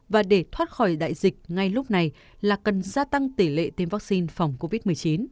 và để thoát khỏi đại dịch ngay lúc này là cần gia tăng tỷ lệ tiêm vaccine phòng covid một mươi chín